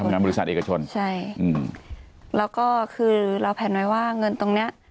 งานบริษัทเอกชนใช่อืมแล้วก็คือเราแผนไว้ว่าเงินตรงเนี้ย